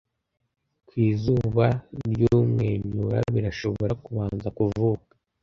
Ku zuba ry'umwenyura, birashobora kubanza kuvuka,